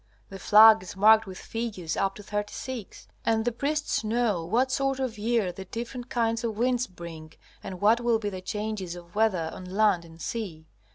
The flag is marked with figures up to thirty six, and the priests know what sort of year the different kinds of winds bring and what will be the changes of weather on land and sea.